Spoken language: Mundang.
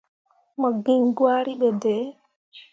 Mo giŋ gwari ɓe dai.